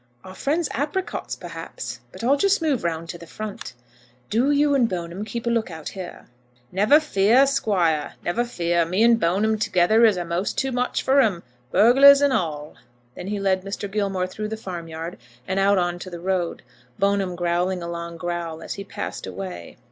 "Our friend's apricots, perhaps. But I'll just move round to the front. Do you and Bone'm keep a look out here." "Never fear, Squire; never fear. Me and Bone'm together is a'most too much for 'em, bugglars and all." Then he led Mr. Gilmore through the farmyard, and out on to the road, Bone'm growling a low growl as he passed away.